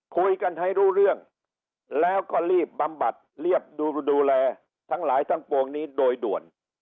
คุยกันให้รู้เรื่องแล้วก็รีบบำบัดเรียบดูแลทั้งหลายทั้งปวงนี้โดยด่วน